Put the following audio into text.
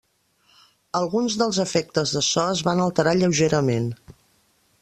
Alguns dels efectes de so es van alterar lleugerament.